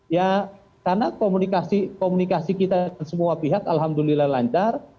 ya karena komunikasi kita semua pihak alhamdulillah lancar